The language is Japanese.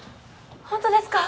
本当ですか？